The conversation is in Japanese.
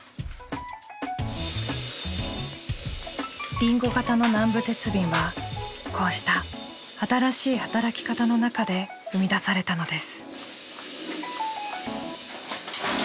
りんご型の南部鉄瓶はこうした新しい働き方の中で生み出されたのです。